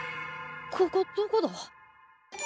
ここどこだ？